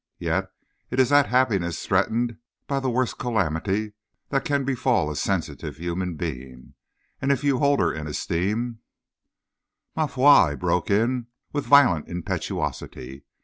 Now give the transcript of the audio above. Yet is that happiness threatened by the worst calamity that can befall a sensitive human being, and if you hold her in esteem " "Ma foi!" he broke in, with violent impetuosity.